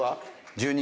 １２。